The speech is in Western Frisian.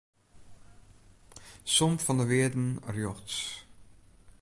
Som fan de wearden rjochts.